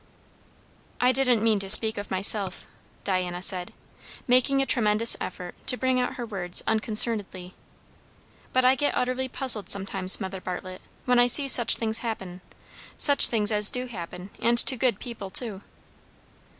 "I didn't mean to speak of myself," Diana said, making a tremendous effort to bring out her words unconcernedly; "but I get utterly puzzled sometimes, Mother Bartlett, when I see such things happen such things as do happen, and to good people too."